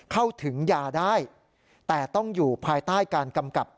เข้าถึงยาได้แต่ต้องอยู่ภายใต้การกำกับ